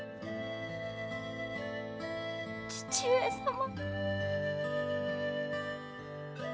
義父上様。